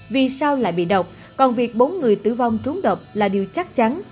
vì sao lại bị độc còn việc bốn người tử vong trúng độc là điều chắc chắn